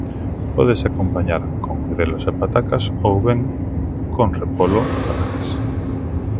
Pódese acompañar con grelos e patacas ou ben, con repolo e patacas.